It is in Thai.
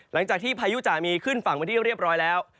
หลังจากที่พายุจะมีขึ้นฝั่งไปที่เรียบร้อยแล้ว